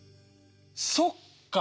そっか！